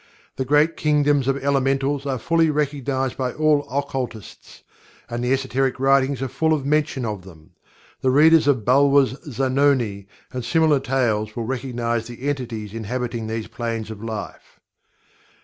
The great kingdoms of Elementals are fully recognized by all occultists, and the esoteric writings are full of mention of them. The readers of Bulwer's "Sanoni" and similar tales will recognize the entities inhabiting these planes of life.